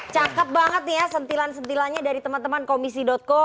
cakep banget nih ya sentilan sentilannya dari teman teman komisi co